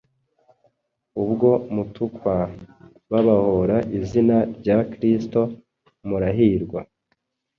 Ubwo mutukwa babahora izina rya Kristo murahirwa,